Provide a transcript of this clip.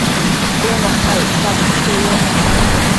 cun opa icsabudquieyoc